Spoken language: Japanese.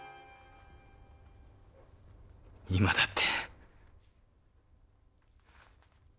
今だって！